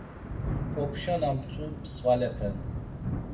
Opşa na mtu svalepe’n.